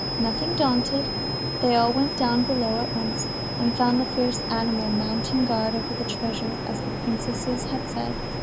Nothing daunted, they all went down below at once, and found the fierce animal mounting guard over the treasure as the princesses had said.